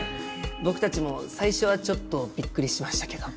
僕たちも最初はちょっとびっくりしましたけど。